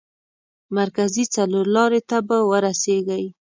مرکزي څلور لارې ته به ورسېږئ.